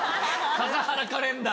「笠原カレンダー」。